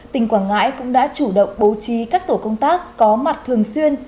tỉnh quảng ngãi cũng đã chủ động bố trí các tổ công tác có mặt thường xuyên